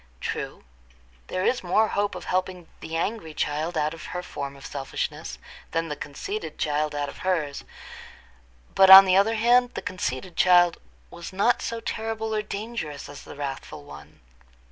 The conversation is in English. True, there is more hope of helping the angry child out of her form of selfishness than the conceited child out of hers; but on the other hand, the conceited child was not so terrible or dangerous as the wrathful one.